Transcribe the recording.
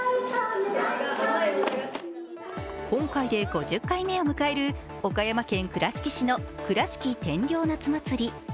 今回で５０回目を迎える岡山県倉敷市の倉敷天領夏祭り。